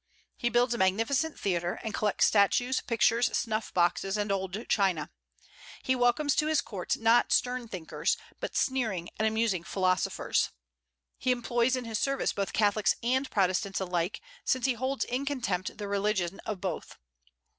He builds a magnificent theatre, and collects statues, pictures, snuff boxes, and old china. He welcomes to his court, not stern thinkers, but sneering and amusing philosophers. He employs in his service both Catholics and Protestants alike, since he holds in contempt the religion of both.